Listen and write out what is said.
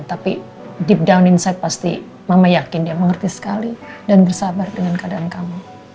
tapi deep down insight pasti mama yakin dia mengerti sekali dan bersabar dengan keadaan kamu